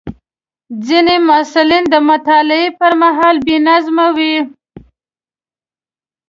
ځینې محصلین د مطالعې پر مهال بې نظم وي.